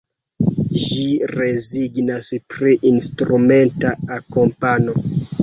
Ĝi rezignas pri instrumenta akompano.